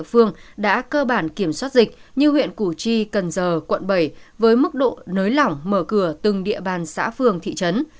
phương đã cơ bản kiểm soát dịch như huyện củ chi cần giờ quận bảy với mức độ nới lỏng mở cửa từng địa bàn xã phường thị trấn